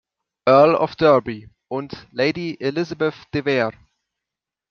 Earl of Derby, und Lady Elizabeth de Vere.